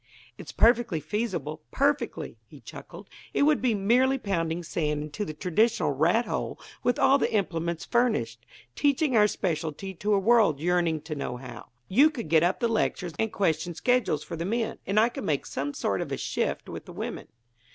"It's perfectly feasible perfectly," he chuckled. "It would be merely pounding sand into the traditional rat hole with all the implements furnished teaching our specialty to a world yearning to know how. You could get up the lectures and question schedules for the men, and I could make some sort of a shift with the women."